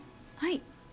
はい。